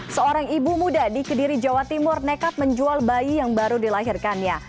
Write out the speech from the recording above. seorang ibu muda di kediri jawa timur nekat menjual bayi yang baru dilahirkannya